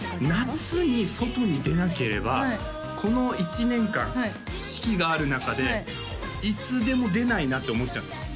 夏に外に出なければこの１年間四季がある中でいつでも出ないなって思っちゃうんですよ